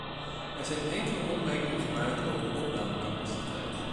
Er zijn enkele opmerkingen gemaakt over de opnamecapaciteit.